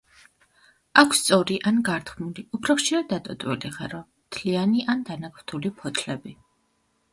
აქვს სწორი ან გართხმული, უფრო ხშირად დატოტვილი ღერო, მთლიანი ან დანაკვთული ფოთლები.